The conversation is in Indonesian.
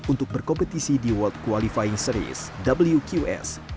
untuk berkompetisi di world qualifying series wqs